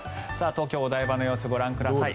東京・お台場の様子ご覧ください。